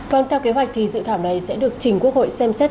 vâng theo kế hoạch thì dự thảo này sẽ được chính quốc hội xem xét